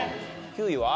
９位は？